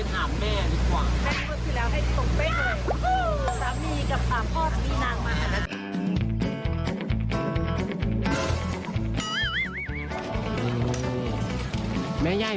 สามีกับพ่อมีนางมา